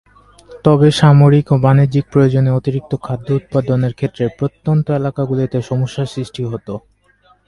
তবে সামরিক ও বাণিজ্যিক প্রয়োজনে অতিরিক্ত খাদ্য উৎপাদনের ক্ষেত্রে প্রত্যন্ত এলাকাগুলোতে সমস্যার সৃষ্টি হত।